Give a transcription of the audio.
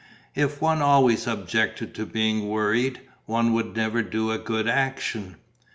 "If one always objected to being worried, one would never do a good action."